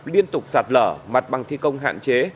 liên tục sạt lở mặt bằng thi công hạn chế